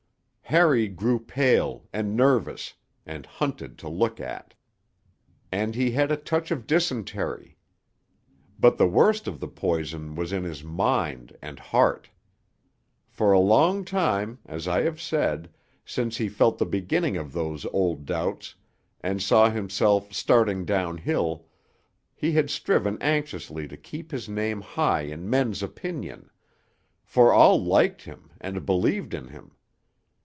Harry grew pale, and nervous, and hunted to look at; and he had a touch of dysentery. But the worst of the poison was in his mind and heart. For a long time, as I have said, since he felt the beginning of those old doubts, and saw himself starting downhill, he had striven anxiously to keep his name high in men's opinion; for all liked him and believed in him.